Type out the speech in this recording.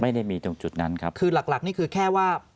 ไม่ได้มีตรงจุดนั้นครับคือหลักหลักนี่คือแค่ว่า